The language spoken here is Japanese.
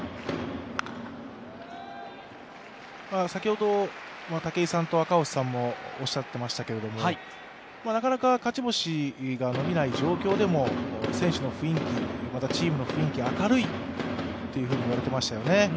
先ほど武井さんと赤星さんもおっしゃっていましたけれども、なかなか勝ち星が伸びない状況でも選手の雰囲気、またチームの雰囲気、明るいと言われてましたよね。